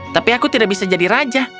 tapi aku tidak bisa jadi raja